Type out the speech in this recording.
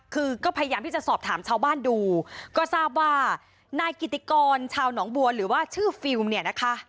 คือก็พยายามที่จะสอบถามชาวบ้านดูก็ทราบว่านายกิติกรชาวหนองบัวหรือว่าชื่อฟิลล์เนี่ยนะคะ